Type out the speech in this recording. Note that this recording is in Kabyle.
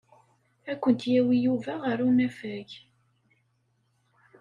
Ad kent-yawi Yuba ɣer unafag.